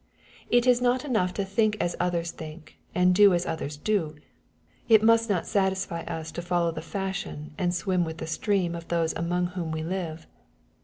It is not enough to thiuk as others think, and do as othens do. It must not satisfy us to follow the fashion, and swim with the stream of those among whom we live.